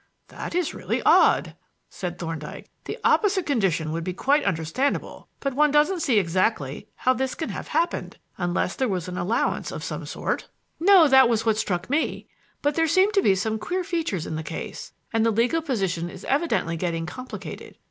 "That is really odd," said Thorndyke. "The opposite condition would be quite understandable, but one doesn't see exactly how this can have happened, unless there was an allowance of some sort." "No, that was what struck me. But there seem to be some queer features in the case, and the legal position is evidently getting complicated.